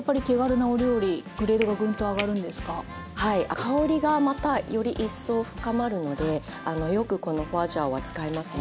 香りがまたより一層深まるのでよくこの花椒は使いますね。